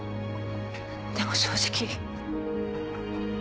でも正直。